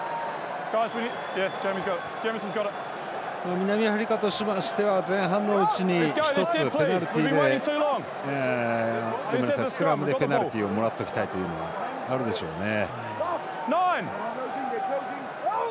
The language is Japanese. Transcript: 南アフリカとしましては前半のうちに１つ、スクラムでペナルティをもらっておきたいというのはあるでしょうね。